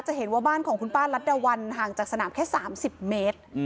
เห็นว่าบ้านของคุณป้ารัฐดาวันห่างจากสนามแค่๓๐เมตร